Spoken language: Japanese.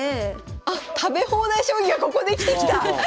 あ食べ放題将棋がここで生きてきた！